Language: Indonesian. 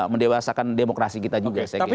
mendewasakan demokrasi kita juga